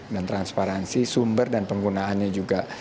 dan transparansi sumber dan penggunaannya juga